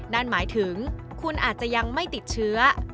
นั่นหมายถึงคุณอาจจะยังไม่ติดเชื้อ